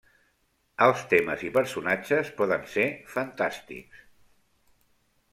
Els temes i personatges poden ser fantàstics.